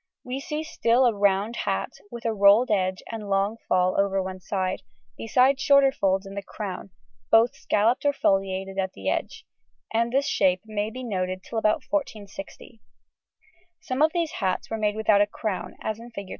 We still see a round hat with a rolled edge and long fall over one side, besides shorter folds in the crown, both scalloped or foliated at the edge, and this shape may be noted till about 1460. Some of these hats were made without a crown, as in Fig.